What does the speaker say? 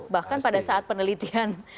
bahkan pada saat penelitian